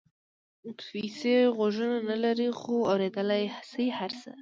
پیسې غوږونه نه لري خو اورېدلای شي هر څه.